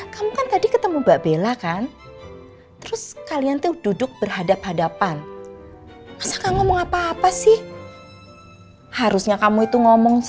kayaknya tempatnya udah kelihatan seperti lain